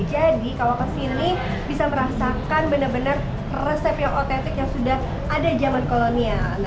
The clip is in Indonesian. jadi kalau kesini bisa merasakan bener bener resep yang otentik yang sudah ada zaman kolonial